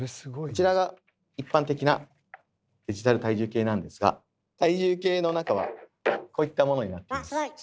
こちらが一般的なデジタル体重計なんですが体重計の中はこういったものになっています。